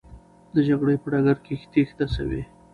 د جګړې په ډګر کې تېښته سوې.